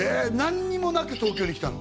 何にもなく東京に来たの？